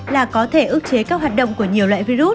là có thể ước chế các hoạt động của nhiều loại virus